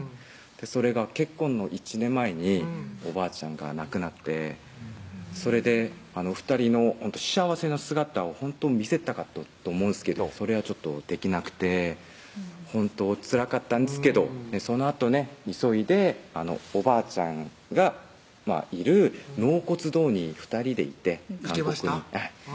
それが結婚の１年前におばあちゃんが亡くなってそれで２人の幸せな姿をほんと見せたかったと思うんですけどそれはちょっとできなくて本当つらかったんですけどそのあとね急いでおばあちゃんがいる納骨堂に２人で行って行けました？